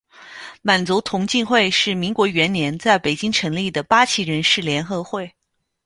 满族同进会是民国元年在北京成立的八旗人士联合会。